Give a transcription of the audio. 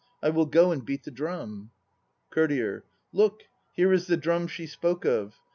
I will go and beat the drum. COURTIER. Look, here is the drum she spoke of.